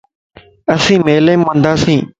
اسين ميلي مَ ونداسين